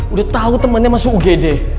udah tahu temannya masuk ugd